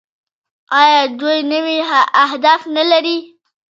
آیا دوی نوي اهداف نلري؟